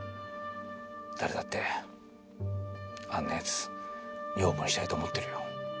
誰だってあんなヤツ女房にしたいと思ってるよ。